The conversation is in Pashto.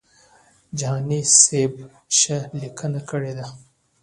جهاني سیب ښه لیکنه کړې ده.